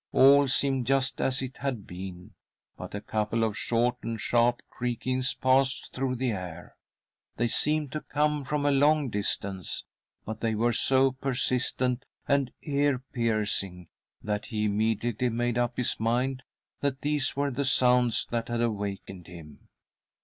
All seemed just as it had been, but a couple of short and sharp creakings passed through the air. They seemed to come from a long distance', but they, were so persistent and ear piercing that he immediately made up his mind that these were the sounds that had awakened Mm.